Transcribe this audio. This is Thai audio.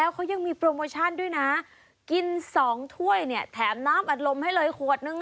เขายังมีโปรโมชั่นด้วยนะกิน๒ถ้วยเนี่ยแถมน้ำอัดลมให้เลยขวดนึง